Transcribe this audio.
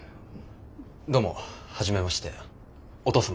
どうも初めましてお父様。